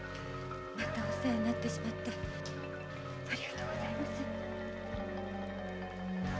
またお世話になってしまってありがとうございます。